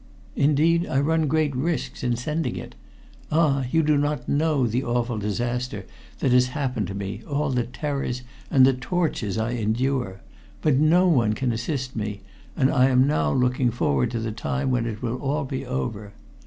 Indeed, I run great risks in sending it. Ah! you do not know the awful disaster that has happened to me, all the terrors and the tortures I endure. But no one can assist me, and I am now looking forward to the time when it will all be over.